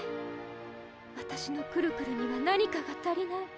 わたしのくるくるには何かが足りない。